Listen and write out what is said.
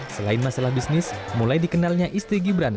selain masalah bisnis mulai dikenalnya istri gibran